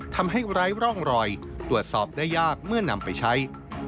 ไร้ร่องรอยตรวจสอบได้ยากเมื่อนำไปใช้